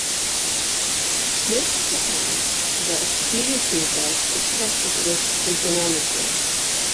Most of the time, the stapedius reflex is tested with tympanometry.